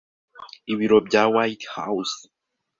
Ibiro bya White House,